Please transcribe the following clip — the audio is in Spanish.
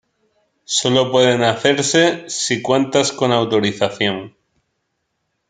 solo pueden hacerse si cuentas con autorización